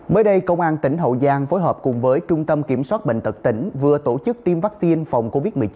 mới đây công an tỉnh hậu giang phối hợp cùng với trung tâm kiểm soát bệnh tật tỉnh vừa tổ chức tiêm vaccine phòng covid một mươi chín